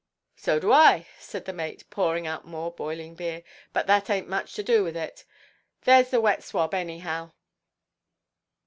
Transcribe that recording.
"So do I," said the mate, pouring out more boiling beer; "but that ainʼt much to do with it. Thereʼs the wet swab anyhow."